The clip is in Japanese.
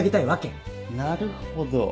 なるほど。